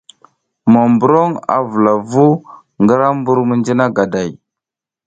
Monburoŋ, a vula vu ngra mbur mijina ganday.